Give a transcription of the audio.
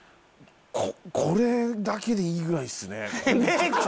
これだけでいいぐらいですね。